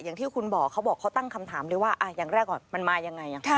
อย่างที่คุณบอกเขาบอกเขาตั้งคำถามเลยว่าอย่างแรกก่อนมันมายังไง